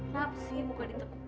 tapsi muka di